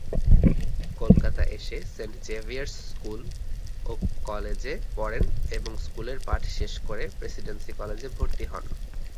কলকাতা এসে saint xavier's school ও কলেজে পড়েন এবং স্কুলের পাঠ শেষ করে প্রেসিডেন্সি কলেজে ভর্তি হন।